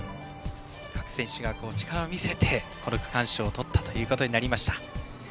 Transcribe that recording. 各選手が力を見せて区間賞をとったということになりました。